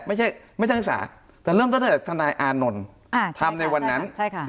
ไม่ใช่ศึกษาแต่เริ่มต้นตั้งแต่ธนายอานนท์ทำในวันนั้น